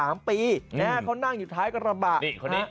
เนี่ยเขานั่งอยู่ท้ายกระบ่าห์